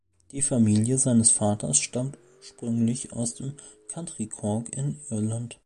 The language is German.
Die Familie seines Vaters stammte ursprünglich aus County Cork in Irland.